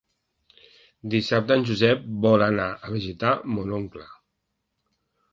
Dissabte en Josep vol anar a visitar mon oncle.